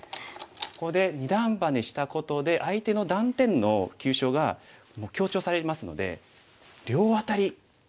ここで二段バネしたことで相手の断点の急所が強調されますので両アタリ